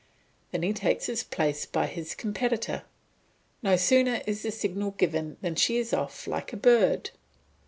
Then he takes his place by his competitor; no sooner is the signal given than she is off like a bird.